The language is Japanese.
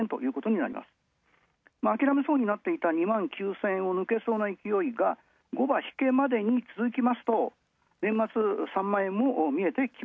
あきらめそうになっていた２万９０００円を超えそうな勢いは後場引けまでに続きますと年末３万円も。